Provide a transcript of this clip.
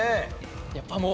やっぱもう。